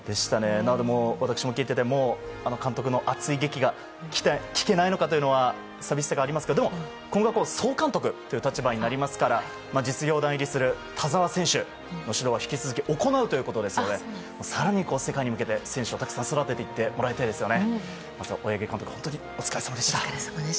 なので、私も聞いていて監督の熱いげきが聞けないのかというのは寂しさがありますけどもでも、今後は総監督という立場になりますから実業団入りする田澤選手の指導は引き続き行うということですので更に世界に向けて選手をたくさん育てていってもらいたいですね。